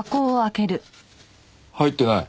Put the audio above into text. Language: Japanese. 入ってない。